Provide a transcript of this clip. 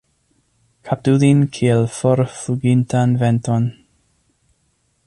Kaptu lin kiel forflugintan venton.